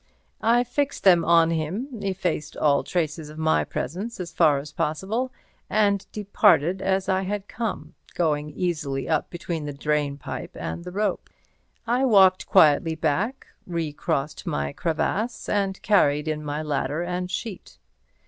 I fixed them on him, effaced all traces of my presence as far as possible, and departed as I had come, going easily up between the drain pipe and the rope. I walked quietly back, re crossed my crevasse and carried in my ladder and sheet.